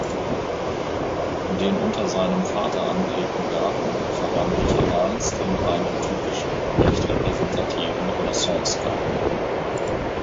Den unter seinem Vater angelegten Garten verwandelte Ernst in einen typischen, recht repräsentativen Renaissancegarten.